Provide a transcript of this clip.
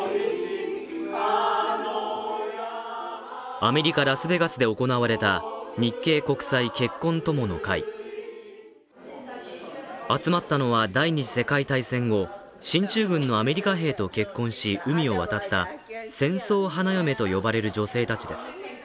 アメリカ・ラスベガスで行われた日系国際結婚友の会集まったのは第二次世界大戦後、進駐軍のアメリカ兵と結婚し、海を渡った戦争花嫁と呼ばれる女性たちです。